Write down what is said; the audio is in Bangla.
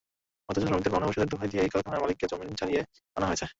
অথচ শ্রমিকদের পাওনা পরিশোধের দোহাই দিয়েই করখানার মালিককে জামিনে ছাড়িয়ে আনা হয়েছে।